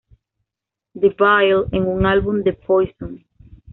DeVille en un álbum de Poison.